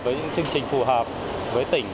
với những chương trình phù hợp với tỉnh